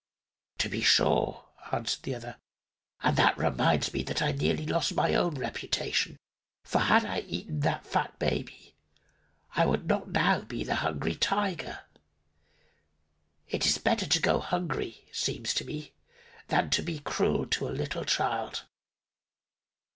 "To be sure," answered the other. "And that reminds me that I nearly lost my own reputation. For, had I eaten that fat baby I would not now be the Hungry Tiger. It's better to go hungry, seems to me, than to be cruel to a little child."